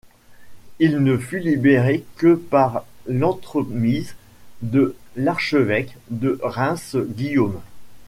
Il ne fut libéré que par l'entremise de l'archevêque de Reims Guillaume.